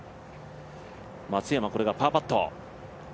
松山、これがパーパット。